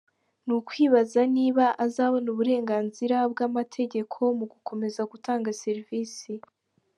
Ni ukwibaza niba azabona uburenganzira bw’amategeko mu gukomeza gutanga serivisi.